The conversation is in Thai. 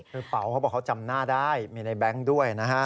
กระเป๋าเขาบอกเขาจำหน้าได้มีในแบงค์ด้วยนะฮะ